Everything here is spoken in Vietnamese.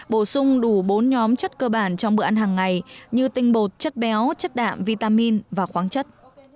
bổ sung đủ bốn nhóm chất cơ bản trong bữa ăn hàng ngày như tinh bột chất béo chất đạm vitamin và khoáng chất